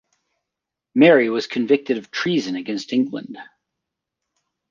Mary was convicted of treason against England.